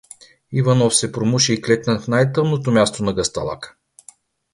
Иванов се примуши и клекна в най-тъмното място на гъсталака.